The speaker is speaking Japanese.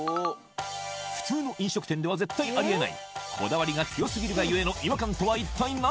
普通の飲食店では絶対ありえないこだわりが強すぎるが故の違和感とは一体何？